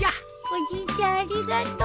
おじいちゃんありがとう！